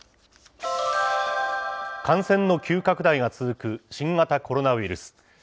感染の急拡大が続く新型コロナウイルス。